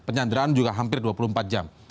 penyanderaan juga hampir dua puluh empat jam